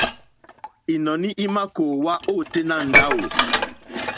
Ínɔ̀ní í mà kòòwá ôténá ndáwù.